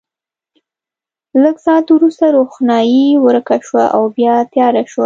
لږ ساعت وروسته روښنايي ورکه شوه او بیا تیاره شوه.